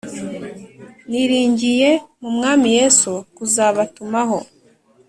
Niringiye mu Mwami Yesu kuzabatumaho